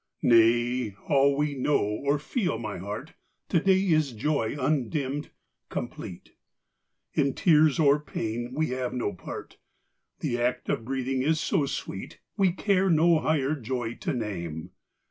Nay! all we know, or feel, my heart, To day is joy undimmed, complete; In tears or pain we have no part; The act of breathing is so sweet, We care no higher joy to name.